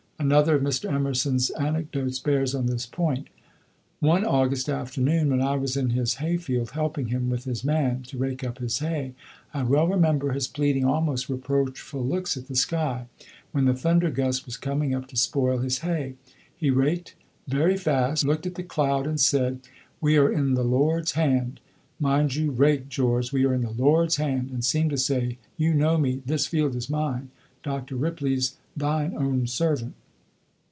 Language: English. Another of Mr. Emerson's anecdotes bears on this point: "One August afternoon, when I was in his hayfield, helping him, with his man, to rake up his hay, I well remember his pleading, almost reproachful looks at the sky, when the thunder gust was coming up to spoil his hay. He raked very fast, then looked at the cloud, and said, 'We are in the Lord's hand, mind your rake, George! we are in the Lord's hand;' and seemed to say, 'You know me; this field is mine, Dr. Ripley's, thine own servant.'"